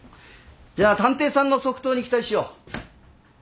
じゃあ探偵さんの即答に期待しよう。